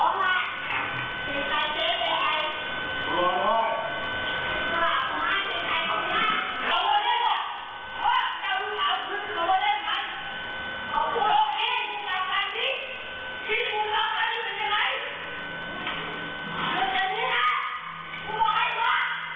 มีคลิปภาพเหตุการณ์ที่เกิดขึ้นไปดูก่อนเลยค่ะ